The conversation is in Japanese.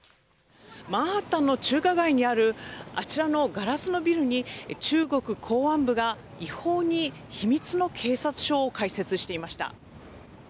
マンハッタンの中華街にあるあちらのガラスのビルに、中国公安部が違法に秘密の警察署を開設していました。